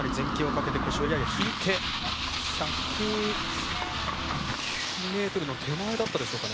１０９ｍの手前だったでしょうか。